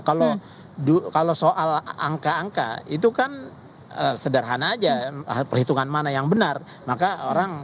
kalau soal angka angka itu kan sederhana aja perhitungan mana yang benar maka orang